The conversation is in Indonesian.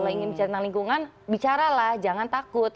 kalau ingin bicara tentang lingkungan bicara lah jangan takut